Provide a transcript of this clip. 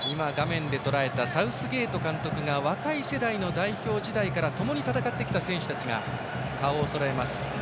サウスゲート監督が若い世代の代表時代から共に戦ってきた選手たちが顔をそろえます。